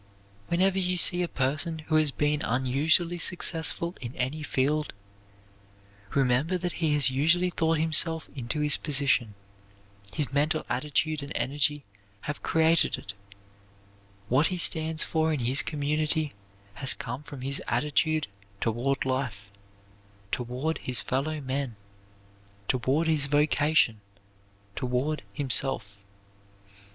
Whenever you see a person who has been unusually successful in any field, remember that he has usually thought himself into his position; his mental attitude and energy have created it; what he stands for in his community has come from his attitude toward life, toward his fellow men, toward his vocation, toward himself.